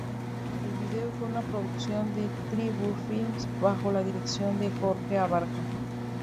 El video fue una producción de Tribu Films bajo la dirección de Jorge Abarca.